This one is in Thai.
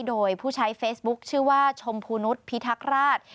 โดยผู้ใช้เฟซบุ๊คชื่อว่าชมพูนุษย์พิทักราช